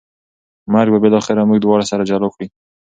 مرګ به بالاخره موږ دواړه سره جلا کړي